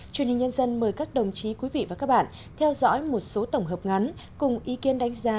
truyền hình nhân dân mời các đồng chí quý vị và các bạn theo dõi một số tổng hợp ngắn cùng ý kiến đánh giá